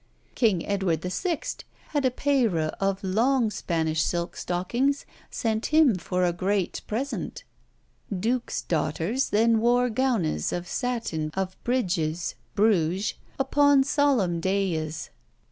King Edward the Sixt had a payre of long Spanish silk stockings sent him for a great present. Dukes' daughters then wore gownes of satten of Bridges (Bruges) upon solemn dayes.